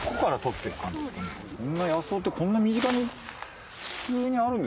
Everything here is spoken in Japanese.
野草ってこんな身近に普通にあるんですね。